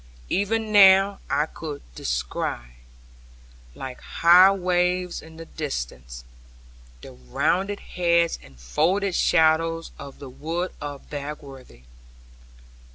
Even now I could descry, like high waves in the distance, the rounded heads and folded shadows of the wood of Bagworthy.